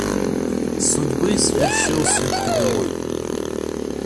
Судьбы свершился приговор!